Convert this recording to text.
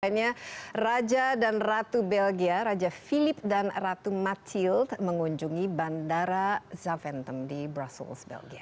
akhirnya raja dan ratu belgia raja philip dan ratu matiild mengunjungi bandara zaventem di brussels belgia